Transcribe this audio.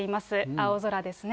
青空ですね。